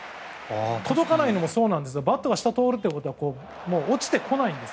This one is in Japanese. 届かないのもそうなんですがバットが下を通るということは落ちてこないんです。